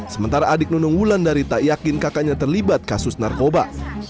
sementara adik nunung wulandari tak yakin kakaknya terlibat kasus narkoba